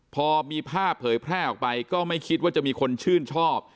พอมีภาพเผยแพร่ออกไปก็ไม่คิดว่าจะมีคนชื่นชอบ